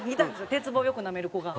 鉄棒よくなめる子が。